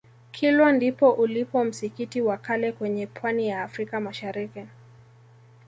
kilwa ndipo ulipo msikiti wa kale kwenye pwani ya africa mashariki